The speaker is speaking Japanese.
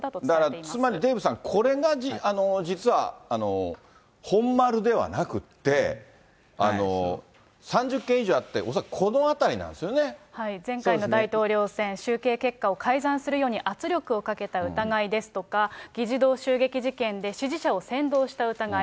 だから、つまり、デーブさん、これが実は本丸ではなくって、３０件以上あって、前回の大統領選、集計結果を改ざんするように圧力をかけた疑いですとか、議事堂襲撃事件で、支持者を先導した疑い。